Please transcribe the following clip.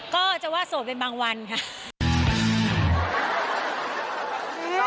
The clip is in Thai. ก็จะว่าโสดเป็นบางวันค่ะ